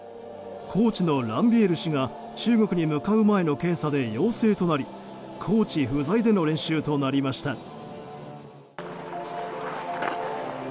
コーチのランビエール氏が中国に向かう前の検査で陽性となりコーチ不在での練習となりました。